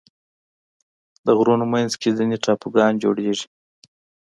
د غرونو منځ کې ځینې ټاپوګان جوړېږي.